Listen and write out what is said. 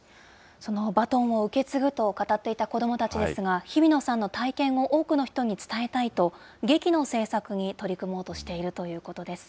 そのバトンを受け継ぐと語っていた子どもたちですが、日比野さんの体験を多くの人に伝えたいと、劇の制作に取り組もうとしているということです。